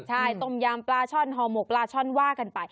ใช่ตมยามปลาช่อนฮอร์โหมกปลาช่อนว่ากันไป